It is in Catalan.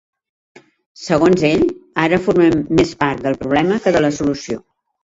Segons ell, ‘ara formen més part del problema que de la solució’.